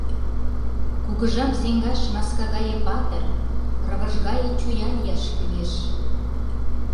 Кугыжам сеҥаш маска гае патыр, рывыж гае чоя лияш кӱлеш.